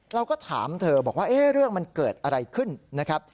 เราก็ถามเธอบอกว่าเรื่องมันเกิดอะไรขึ้นนะครับ